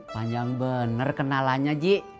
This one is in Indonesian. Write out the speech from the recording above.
panjang bener kenalannya ji